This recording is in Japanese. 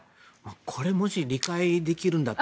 これもし、理解できるんだった